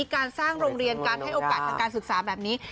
การสร้างโรงเรียนการให้โอกาสทางการศึกษาแบบนี้